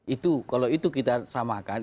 itu kalau itu kita samakan